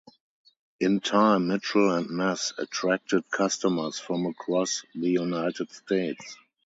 In time, Mitchell and Ness attracted customers from across the United States.